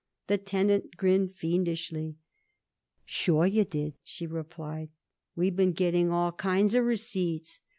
The tenant grinned fiendishly. "Sure you did," she replied. "We've been getting all kinds of receipts.